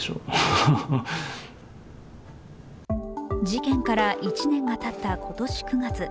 事件から１年がたった今年９月。